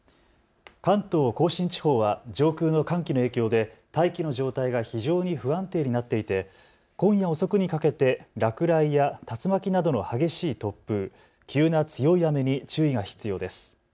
関東甲信地方は上空の寒気の影響で大気の状態が非常に不安定になっていて今夜遅くにかけて落雷や竜巻などの激しい突風、急な強い雨に注意が必要です。